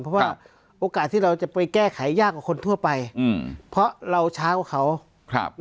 เพราะว่าโอกาสที่เราจะไปแก้ไขยากกว่าคนทั่วไปเพราะเราช้ากว่าเขา